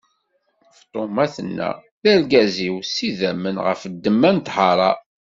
Feṭṭuma tenna: D argaz-iw s idammen ɣef ddemma n ṭṭhara.